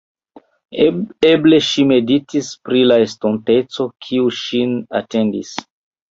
Eble ŝi meditis pri la estonteco, kiu ŝin atendis.